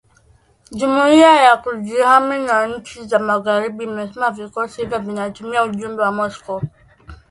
jumuia ya kujihami ya nchi za magharibi imesema vikosi hivyo vinatuma ujumbe kwa Moscow